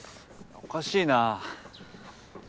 おかしいな。